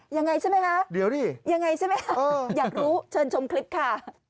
ยังไงใช่ไหมคะเดี๋ยวดิยังไงใช่ไหมคะอยากรู้เชิญชมคลิปค่ะ